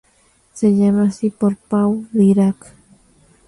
Se llama así por Paul Dirac.